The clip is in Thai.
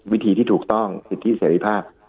วิธีที่ถูกต้องสิ่งที่เสร็จภาพ